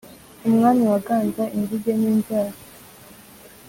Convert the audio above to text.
umwami waganza inzige n’inzara